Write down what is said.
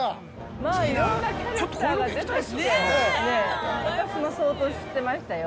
◆まあ、いろんなキャラクターが出てきて、私も相当知ってましたよ。